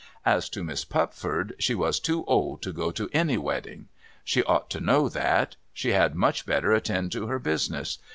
As to Miss Pupford, she was too old to go to any Avedding. She ought to know that. She had much better attend to her business.